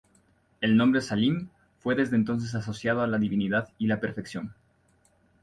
El nombre Salim, fue desde entonces asociado a la divinidad y la perfección.